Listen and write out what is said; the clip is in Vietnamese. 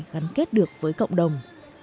gắn kết được với cộng đồng